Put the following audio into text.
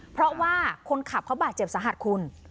เพราะว่าคนขับเขาบาดเจ็บสาหัสคุณ